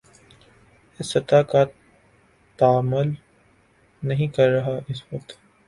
اس سطح کا تعامل نہیں کر رہا اس وقت